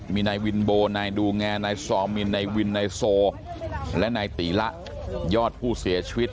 มีนายวินโบนายดูแงนายซอมินนายวินนายโซและนายตีละยอดผู้เสียชีวิต